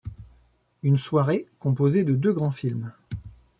Une soirée composée de deux grands films.